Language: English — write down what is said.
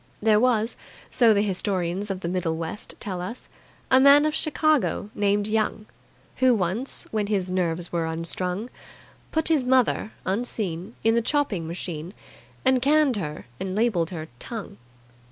There was, so the historians of the Middle West tell us, a man of Chicago named Young, who once, when his nerves were unstrung, put his mother (unseen) in the chopping machine, and canned her and labelled her "Tongue".